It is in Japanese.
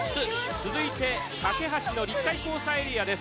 続いて掛橋の立体交差エリアです。